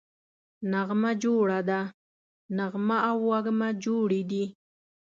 نغمه جوړه ده → نغمه او وږمه جوړې دي